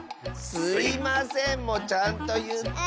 「すいません」もちゃんといって。